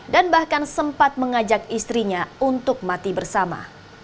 dan bahkan sempat mengajak istrinya untuk mati bersama